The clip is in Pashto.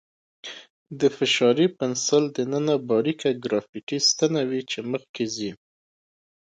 د فشاري پنسل دننه باریکه ګرافیتي ستنه وي چې مخکې ځي.